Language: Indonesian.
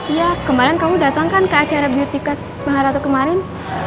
iya kemarin kamu datang kan ke acara beauty class mahalatuh kemarin